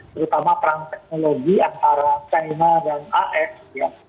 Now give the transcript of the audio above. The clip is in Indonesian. terutama perang teknologi antara china dan as ya